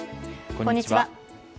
こんにちは。